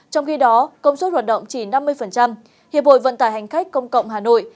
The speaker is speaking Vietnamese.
trong khi đó công suất hoạt động chỉ năm mươi hiệp hội vận tải hành khách công cộng hà nội